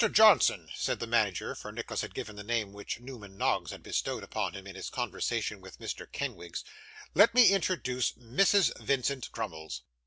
Johnson,' said the manager (for Nicholas had given the name which Newman Noggs had bestowed upon him in his conversation with Mrs Kenwigs), 'let me introduce Mrs. Vincent Crummles.